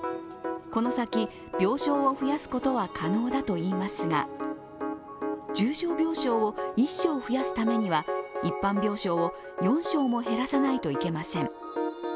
この先、病床を増やすことは可能だといいますが、重症病床を１床増やすためには一般病床を４床減らさないといけません。